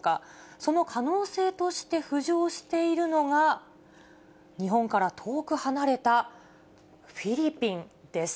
その可能性として浮上しているのが、日本から遠く離れたフィリピンです。